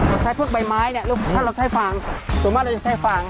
เราใช้พวกใบไม้เนี่ยถ้าเราใช้ฝั่ง